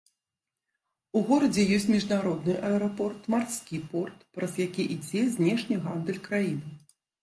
У горадзе ёсць міжнародны аэрапорт, марскі порт, праз які ідзе знешні гандаль краіны.